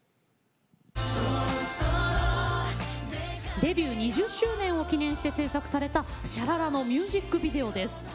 デビュー２０周年を記念して制作された「ｓｈａｌａｌａ」のミュージックビデオです。